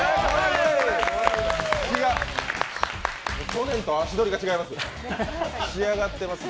去年と足取りが違います